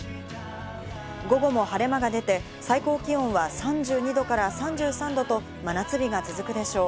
午後も晴れ間が出て、最高気温は３２度から３３度と真夏日が続くでしょう。